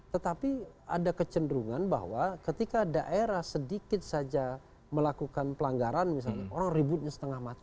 tetapi ada kecenderungan bahwa ketika daerah sedikit saja melakukan pelanggaran misalnya orang ributnya setengah mati